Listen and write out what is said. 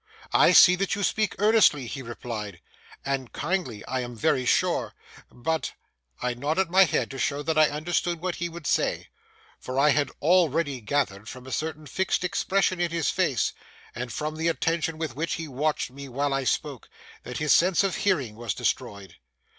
'I see that you speak earnestly,' he replied, 'and kindly I am very sure, but—' I nodded my head to show that I understood what he would say; for I had already gathered, from a certain fixed expression in his face, and from the attention with which he watched me while I spoke, that his sense of hearing was destroyed.